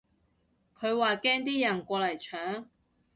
佢話驚啲人過嚟搶